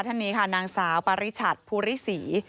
ท่านนี้ค่ะนางสาวปาริชัตริย์ภูริษี